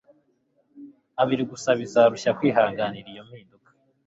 abiri gusa bizarushya kwihanganira iyo mpinduka